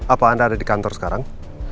apa anda ada di kantor sekarang